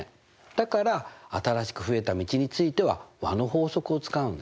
だから新しく増えた道については和の法則を使うんですね。